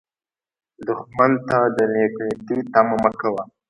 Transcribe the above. دښمن ته د نېک نیتي تمه مه کوه